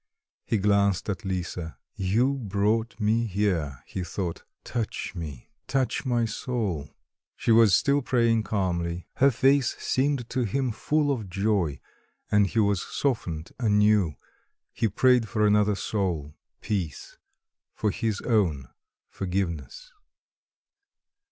He glanced at Lisa. "You brought me here," he thought, "touch me, touch my soul." She was still praying calmly; her face seemed to him full of joy, and he was softened anew: he prayed for another soul, peace; for his own, forgiveness.